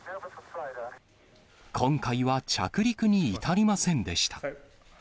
今回は着陸に至りませんでした。